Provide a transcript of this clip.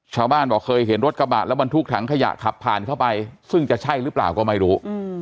ชาวบ้านบอกเคยเห็นรถกระบะแล้วบรรทุกถังขยะขับผ่านเข้าไปซึ่งจะใช่หรือเปล่าก็ไม่รู้